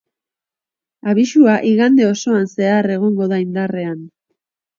Abisua igande osoan zehar egongo da indarrean.